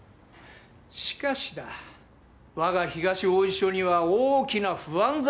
しかしだ我が東王子署には大きな不安材料がある。